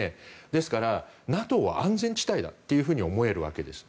ですから、ＮＡＴＯは安全地帯だと思えるわけです。